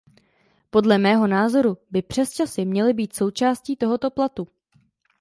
Podle mého názoru by přesčasy měly být součástí tohoto platu.